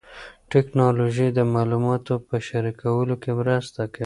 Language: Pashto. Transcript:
ټیکنالوژي د معلوماتو په شریکولو کې مرسته کوي.